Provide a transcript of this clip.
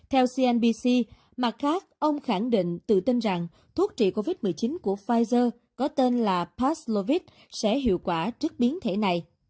theo cnbc mặt khác ông khẳng định tự tin rằng thuốc trị covid một mươi chín của pfizer có tên là passlovit sẽ hiệu quả trước biến thể này